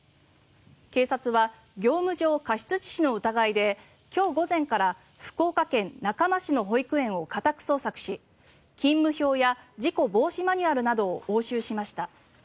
警察は業務上過失致死の疑いで今日午前から福岡県中間市の保育園を家宅捜索し勤務表や事故防止マニュアルなどを押収しました。